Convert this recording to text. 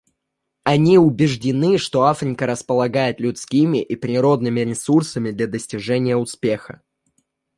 Они убеждены, что Африка располагает людскими и природными ресурсами для достижения успеха.